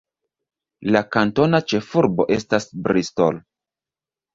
La kantona ĉefurbo estas Bristol.